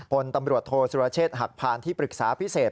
พลตำรวจโทษสุรเชษฐ์หักพานที่ปรึกษาพิเศษ